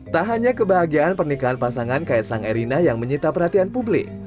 tak hanya kebahagiaan pernikahan pasangan kaisang erina yang menyita perhatian publik